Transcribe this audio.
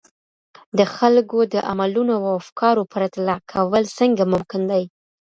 د خلګو د عملونو او افکارو پرتله کول څنګه ممکن دي؟